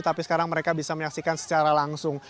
tapi sekarang mereka bisa menyaksikan secara langsung